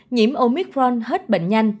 nhiễm omicron hết bệnh nhanh